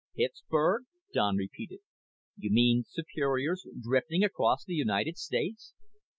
"Pittsburgh?" Don repeated. "You mean Superior's drifting across the United States?"